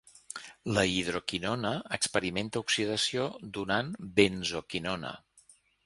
La Hidroquinona experimenta oxidació donant benzoquinona.